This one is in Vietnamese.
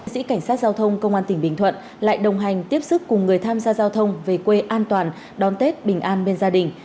sĩ cảnh sát giao thông công an tỉnh bình thuận lại đồng hành tiếp sức cùng người tham gia giao thông về quê an toàn đón tết bình an bên gia đình